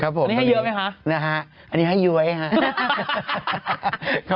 สวัสดีครับอันนี้ให้เยอะไหมครับ